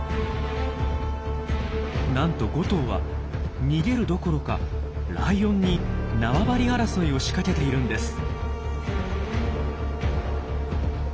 なんと５頭は逃げるどころかライオンに縄張り争いを仕掛けているんです。